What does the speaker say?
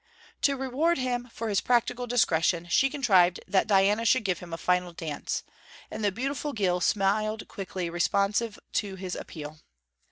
To reward him for his practical discretion, she contrived that Diana should give him a final dance; and the beautiful gill smiled quickly responsive to his appeal.